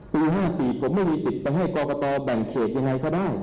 ปี๕๔ผมไม่มีสิทธิ์ไปให้กรกตแบ่งเขตยังไงก็ได้